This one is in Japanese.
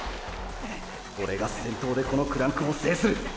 オレが先頭でこのクランクを制する！